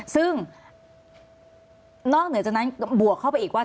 ซึ่งนอกเหนือจากนั้นบวกเข้าไปอีกว่า